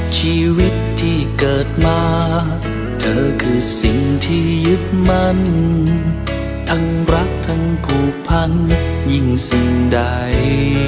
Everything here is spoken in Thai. ชีวิตที่เกิดมาเธอคือสิ่งที่ยึดมั่นทั้งรักทั้งผูกพันยิ่งสิ่งใด